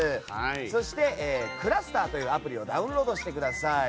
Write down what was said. そして、ｃｌｕｓｔｅｒというアプリをダウンロードしてください。